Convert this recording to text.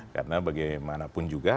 karena bagaimanapun juga